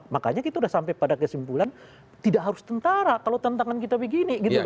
makanya kita sudah sampai pada kesimpulan tidak harus tentara kalau tantangan kita begini gitu loh